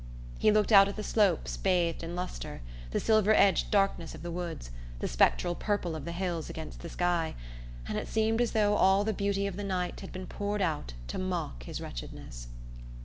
He looked out at the slopes bathed in lustre, the silver edged darkness of the woods, the spectral purple of the hills against the sky, and it seemed as though all the beauty of the night had been poured out to mock his wretchedness...